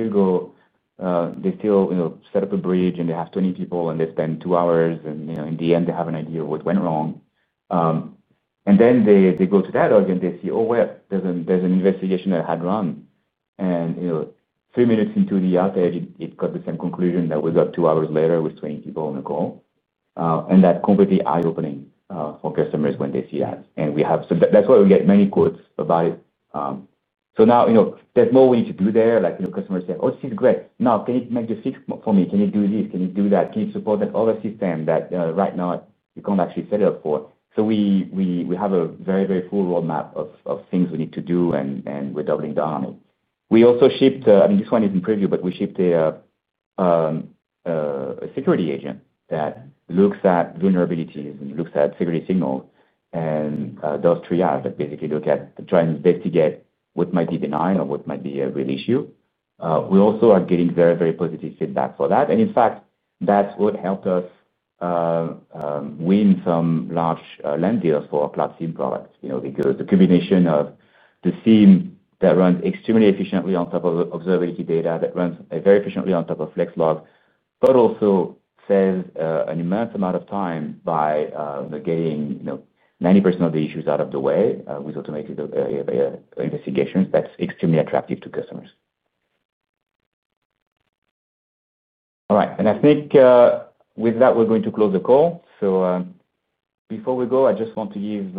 still set up a bridge, and they have 20 people, and they spend two hours. In the end, they have an idea of what went wrong. Then they go to Datadog, and they see, "Oh, wait, there's an investigation that had run." Three minutes into the outage, it got the same conclusion that we got two hours later with 20 people on the call. That is completely eye-opening for customers when they see that. That is why we get many quotes about it. Now, there is more we need to do there. Customers say, "Oh, this is great. Now, can you make the fix for me? Can you do this? Can you do that? Can you support that other system that right now you can't actually set it up for? We have a very, very full roadmap of things we need to do, and we're doubling down on it. We also shipped—I mean, this one is in preview—but we shipped a security agent that looks at vulnerabilities and looks at security signals and does triage, basically looking at trying to investigate what might be benign or what might be a real issue. We also are getting very, very positive feedback for that. In fact, that's what helped us win some large lenders for our Cloud SIEM products. The combination of the SIEM that runs extremely efficiently on top of observability data, that runs very efficiently on top of Flex Logs, but also saves an immense amount of time by getting 90% of the issues out of the way with automated investigations. That's extremely attractive to customers. All right. I think with that, we're going to close the call. Before we go, I just want to give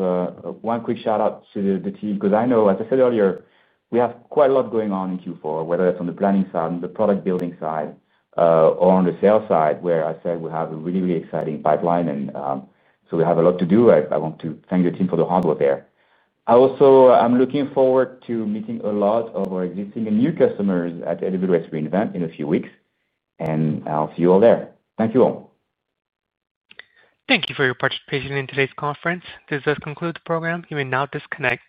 one quick shout-out to the team because I know, as I said earlier, we have quite a lot going on in Q4, whether it's on the planning side, on the product-building side, or on the sales side, where I said we have a really, really exciting pipeline. We have a lot to do. I want to thank the team for the hard work there. I'm looking forward to meeting a lot of our existing and new customers at AWS re:Invent in a few weeks. I'll see you all there. Thank you all. Thank you for your participation in today's conference. This does conclude the program. You may now disconnect.